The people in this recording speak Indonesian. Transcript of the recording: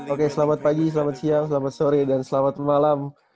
oke selamat pagi selamat siang selamat sore dan selamat malam